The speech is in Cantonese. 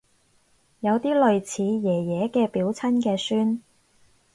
有啲類似爺爺嘅表親嘅孫